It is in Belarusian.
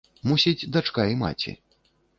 Мусіць, дачка і маці.